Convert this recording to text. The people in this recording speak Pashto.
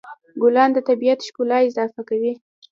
ګلان د طبیعت ښکلا اضافه کوي.